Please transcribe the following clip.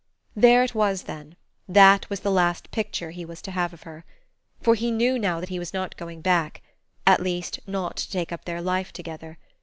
There it was, then; that was the last picture he was to have of her. For he knew now that he was not going back; at least not to take up their life together.